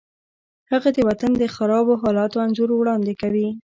هغه د وطن د خرابو حالاتو انځور وړاندې کوي